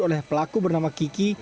oleh pelaku bernama kiki